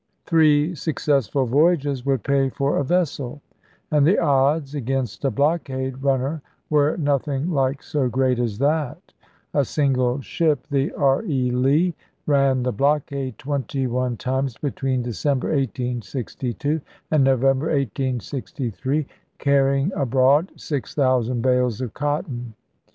Three successful voyages would pay for a vessel ; and the odds against a blockade run ner were nothing like so great as that. A single ship, the R. E. Lee, ran the blockade twenty one times between December, 1862, and November, 1863, carrying abroad six thousand bales of cotton.